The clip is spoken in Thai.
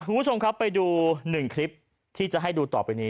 คุณผู้ชมครับไปดูหนึ่งคลิปที่จะให้ดูต่อไปนี้